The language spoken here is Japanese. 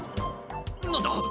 何だ！？